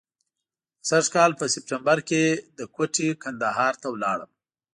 د سږ کال په سپټمبر کې له کوټې کندهار ته ولاړم.